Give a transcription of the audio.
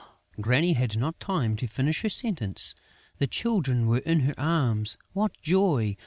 Granny had not time to finish her sentence. The Children were in her arms!... What joy!